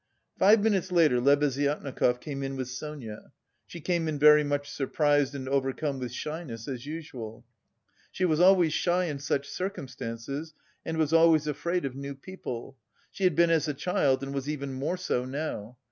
Five minutes later Lebeziatnikov came in with Sonia. She came in very much surprised and overcome with shyness as usual. She was always shy in such circumstances and was always afraid of new people, she had been as a child and was even more so now....